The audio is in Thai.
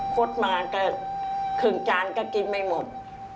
คดมาก็ครึ่งจานก็กินไม่หมด